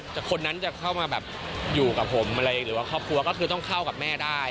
แต่คนนั้นจะเข้ามาแบบอยู่กับผมอะไรหรือว่าครอบครัวก็คือต้องเข้ากับแม่ได้